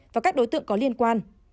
và các đối tượng có liên quan